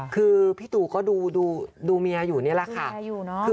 คือพี่ตู่ก็ดูเมียอยู่นี่แหละค่ะ